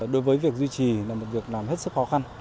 đối với việc duy trì là một việc làm hết sức khó khăn